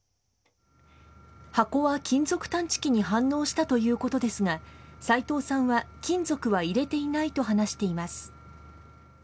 箱は金属探知機に反応したということですが、斉藤さんは金属は入れていないと話しています。